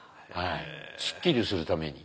スッキリするために。